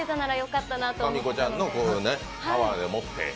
かみこちゃんのパワーでもって。